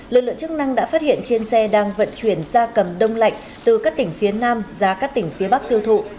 lực lượng chức năng đã phát hiện trên xe đang vận chuyển da cầm đông lạnh từ các tỉnh phía nam ra các tỉnh phía bắc tiêu thụ